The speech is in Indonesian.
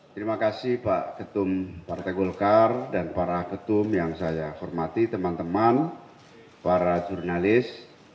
terima kasih pak ketum partai golkar dan para ketum yang saya hormati teman teman para jurnalis